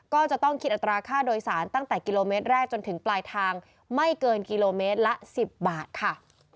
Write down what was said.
ก็จะต้องคิดอัตราค่าโดยสารตั้งแต่กิโลเมตรแรกจนถึงปลายทางไม่เกินกิโลเมตรละ๑๐บาทค่ะ